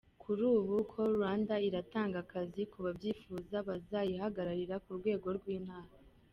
Kuri ubu Call Rwanda iratanga akazi kubabyifuza bazayihagararira ku rwego rw’intara, .